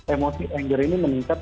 emosi anger ini meningkat